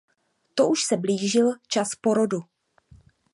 To už se blížil čas porodu.